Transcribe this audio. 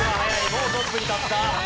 もうトップに立った。